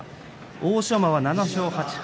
欧勝馬は７勝８敗。